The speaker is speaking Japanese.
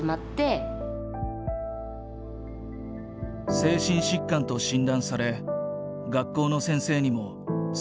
精神疾患と診断され学校の先生にも救いを求めた。